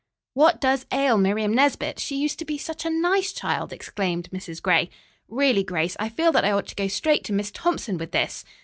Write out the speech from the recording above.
"What does ail Miriam Nesbit? She used to be such a nice child!" exclaimed Mrs. Gray. "Really, Grace, I feel that I ought to go straight to Miss Thompson with this."